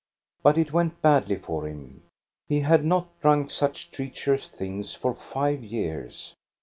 But it went badly for him. He had not drunk such treacherous things for five years.